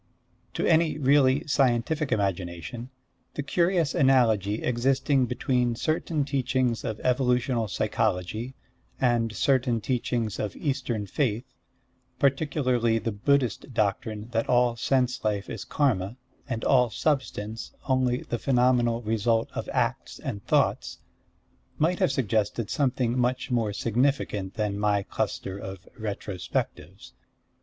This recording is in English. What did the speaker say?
To any really scientific imagination, the curious analogy existing between certain teachings of evolutional psychology and certain teachings of Eastern faith, particularly the Buddhist doctrine that all sense life is Karma, and all substance only the phenomenal result of acts and thoughts, might have suggested something much more significant than my cluster of Retrospectives.